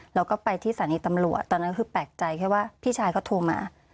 เราก็ไปที่สถานีตำรวจตอนนั้นคือแปลกใจแค่ว่าพี่ชายเขาโทรมา